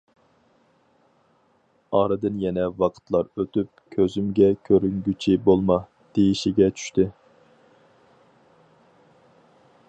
ئارىدىن يەنە ۋاقىتلار ئۆتۈپ، كۆزۈمگە كۆرۈنگۈچى بولما، دېيىشكە چۈشتى.